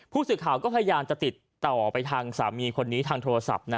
ผู้สื่อข่าวก็พยายามจะติดต่อไปทางสามีคนนี้ทางโทรศัพท์นะ